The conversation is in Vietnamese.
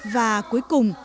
và cuối cùng